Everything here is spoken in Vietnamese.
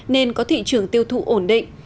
nên có thị trường tiêu thụ ổn định